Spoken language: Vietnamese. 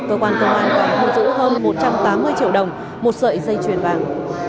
cơ quan công an đã mua giữ hơn một trăm tám mươi triệu đồng một sợi dây chuyền vàng